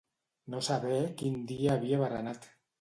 No saber quin dia havia berenat.